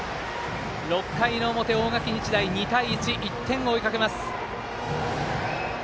６回の表、大垣日大２対１、１点を追いかけます。